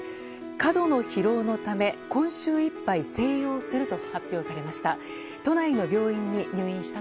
過度の疲労のため今週いっぱい静養すると発表されました。